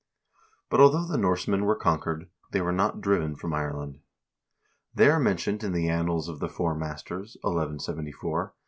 But although the Norsemen were conquered, they were not driven from Ireland.2 They are mentioned in the "Annals of the Four 1 Orkneyingasaga, translated by Jon A.